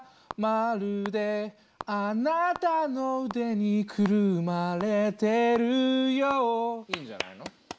「まるであなたの腕にくるまれてるよう」いいんじゃないの？